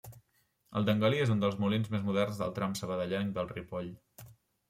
El d'en Galí és un dels molins més moderns del tram sabadellenc del Ripoll.